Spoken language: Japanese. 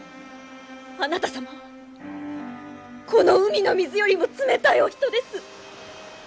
あなた様はこの海の水よりも冷たいお人です。